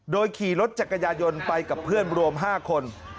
โดยขี่รถจักรยายนไปกับเพื่อนรวม๕คน